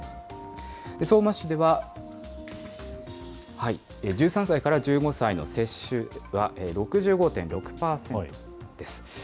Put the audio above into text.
相馬市では、１３歳から１５歳の接種は６５．６％です。